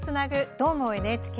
「どーも、ＮＨＫ」